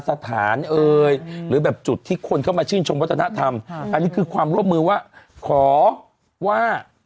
สถานเอ่ยหรือแบบจุดที่คนเข้ามาชื่นชมวัฒนธรรมอันนี้คือความร่วมมือว่าขอว่า